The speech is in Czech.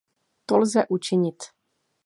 To lze učinit.